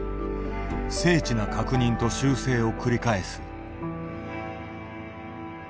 精緻な確認と修正を繰り返す。